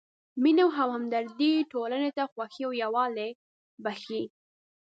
مینه او همدردي ټولنې ته خوښي او یووالی بښي.